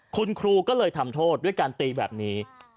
คุณครูก็เลยทำโทษด้วยการตีแบบนี้